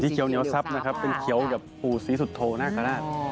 สีเขียวเหนียวซับนะครับเป็นเขียวแบบภูสีสุดโทน่ากระดาษ